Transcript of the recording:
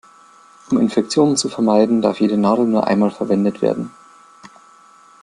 Um Infektionen zu vermeiden, darf jede Nadel nur einmal verwendet werden.